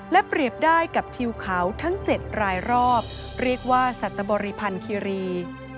และเปรียบได้กับทิวเขาทั้ง๗รายรอบเรียกว่าสัตบริพันธ์คิรี